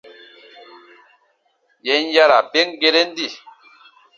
Yè n yara ben geren di.